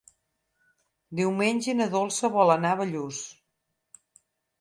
Diumenge na Dolça vol anar a Bellús.